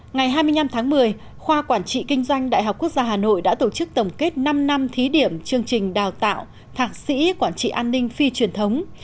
ngày hai mươi năm tháng một mươi khoa quản trị kinh doanh đại học quốc gia hà nội đã tổ chức tổng kết năm năm thí điểm chương trình đào tạo thạc sĩ quản trị an ninh phi truyền thống